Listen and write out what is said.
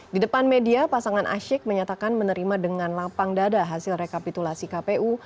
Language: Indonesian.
di depan media pasangan asyik menyatakan menerima dengan lapang dada hasil rekapitulasi kpu